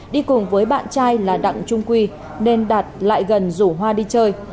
đi cùng với bạn trai là đặng trung quy nên đạt lại gần rủ hoa đi chơi